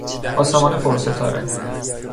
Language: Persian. آسمان پرستاره